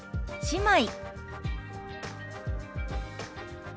「姉妹」。